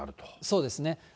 そうですね。